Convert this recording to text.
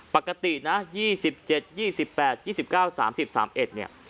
ปกตินะยี่สิบเจ็ดยี่สิบแปดยี่สิบเก้าสามสิบสามเอ็ดเนี้ย